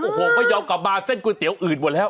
โอ้โหไม่ยอมกลับมาเส้นก๋วยเตี๋ยวอื่นหมดแล้ว